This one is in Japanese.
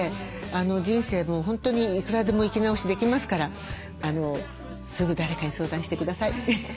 もう本当にいくらでも生き直しできますからすぐ誰かに相談してください。